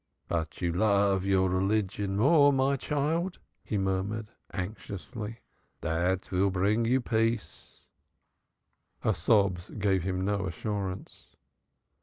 "But you love your religion more, my child?" he murmured anxiously. "That will bring you peace." Her sobs gave him no assurance.